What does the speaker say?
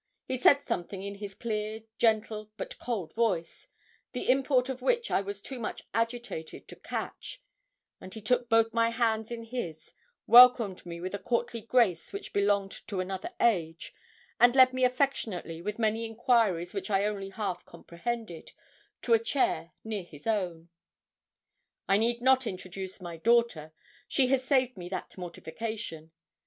He said something in his clear, gentle, but cold voice, the import of which I was too much agitated to catch, and he took both my hands in his, welcomed me with a courtly grace which belonged to another age, and led me affectionately, with many inquiries which I only half comprehended, to a chair near his own. 'I need not introduce my daughter; she has saved me that mortification.